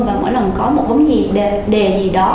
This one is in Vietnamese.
và mỗi lần có một vấn đề gì đó